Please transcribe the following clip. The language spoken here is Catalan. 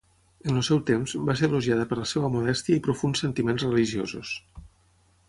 En el seu temps, va ser elogiada per la seva modèstia i profunds sentiments religiosos.